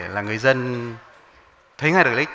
là người dân thấy ngay được lịch